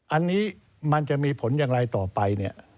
อันนี้มันจะมีผลอย่างไรต่อไปเนี่ย